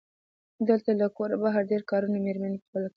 دلته له کوره بهر ډېری کارونه مېرمنې پخپله کوي.